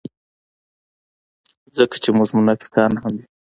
ځکه چې موږ منافقان هم یو.